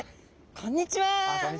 こんにちは。